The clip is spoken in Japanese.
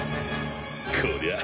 こりゃ。